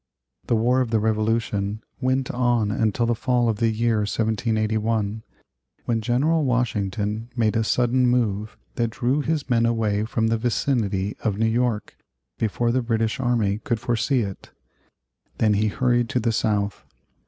The War of the Revolution went on until the fall of the year 1781, when General Washington made a sudden move that drew his men away from the vicinity of New York before the British army could foresee it. Then he hurried to the South.